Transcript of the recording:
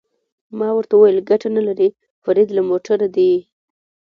ما ورته وویل: ګټه نه لري، فرید له موټره دې.